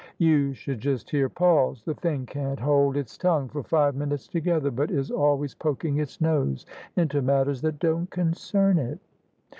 You should just hear Paul's! The thing can't hold its tongue for five minutes together, but is always poking its nose into matters that don't concern it."